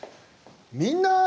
「みんな！